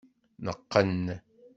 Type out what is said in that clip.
Neqqen.